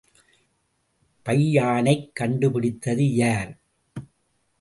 பையானைக் கண்டுபிடித்தது யார்?